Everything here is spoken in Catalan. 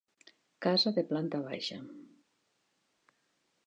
Casa de planta baixa.